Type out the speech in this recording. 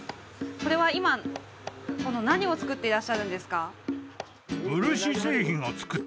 これは今何を作っていらっしゃるんですか？